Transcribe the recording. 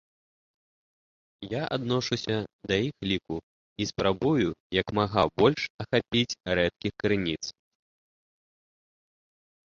Я адношуся да іх ліку, і спрабую як мага больш ахапіць рэдкіх крыніц.